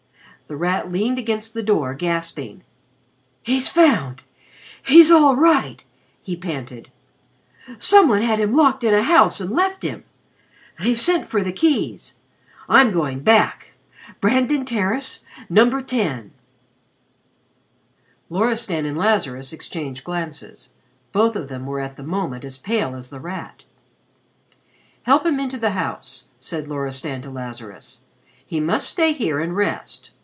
The Rat leaned against the door gasping. "He's found! He's all right!" he panted. "Some one had locked him in a house and left him. They've sent for the keys. I'm going back. Brandon Terrace, No. 10." Loristan and Lazarus exchanged glances. Both of them were at the moment as pale as The Rat. "Help him into the house," said Loristan to Lazarus. "He must stay here and rest.